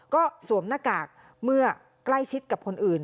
ก็สวมหน้ากากเมื่อใกล้ชิดกับคนอื่น